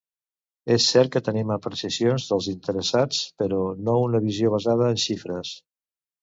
És cert que tenim apreciacions dels interessats, però no una visió basada en xifres.